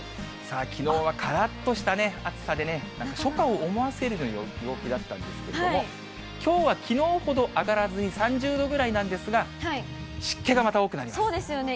きのうはからっとした暑さで、なんか初夏を思わせる陽気だったんですけれども、きょうはきのうほど上がらずに、３０度ぐらいなんですが、そうですよね。